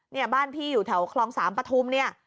เนี่ยบ้านพี่อยู่แถวคลอง๓ปฐุมเนี่ย